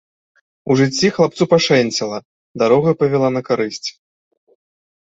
У жыцці хлапцу пашэнціла, дарога павяла на карысць.